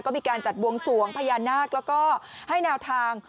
ก็มีการจัดบวงสวงพญานาคแล้วก็ให้แนวทาง